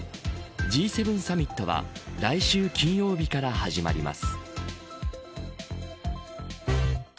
Ｇ７サミットは来週金曜日から始まります。